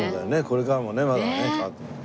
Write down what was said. これからもねまだね。